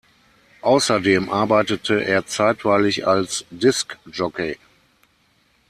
Außerdem arbeitete er zeitweilig als Discjockey.